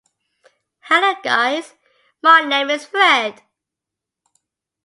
Hello guys my name is Fred